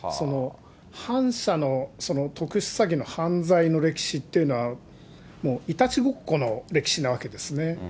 反社のその特殊詐欺の犯罪の歴史っていうのは、いたちごっこの歴史なわけですね。